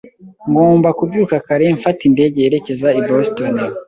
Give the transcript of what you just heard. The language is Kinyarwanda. Ngomba kubyuka kare mfata indege yerekeza i Boston.